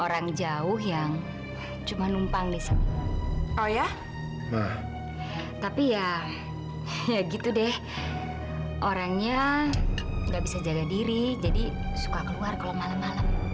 sampai jumpa di video selanjutnya